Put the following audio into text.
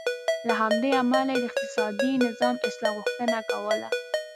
له همدې امله یې د اقتصادي نظام اصلاح غوښتنه کوله.